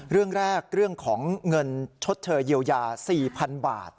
เรื่องแรกเรื่องของเงินชดเชยเยียวยา๔๐๐๐บาท